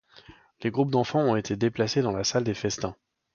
Les groupes d’enfants ont été déplacés dans la salle des Festins.